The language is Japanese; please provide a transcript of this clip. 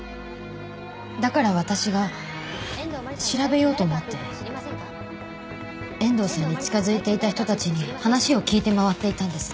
だから私が調べようと思って遠藤さんに近づいていた人たちに話を聞いて回っていたんです。